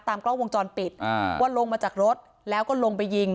กล้องวงจรปิดอ่าว่าลงมาจากรถแล้วก็ลงไปยิง